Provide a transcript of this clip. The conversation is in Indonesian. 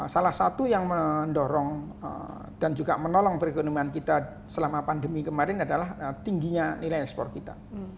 salah satu yang mendorong dan juga menolong perekonomian kita selama pandemi kemarin adalah tingginya nilai ekspor kita